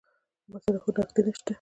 ما سره خو نقدې نه شته.